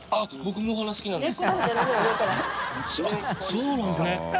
そうなんですね。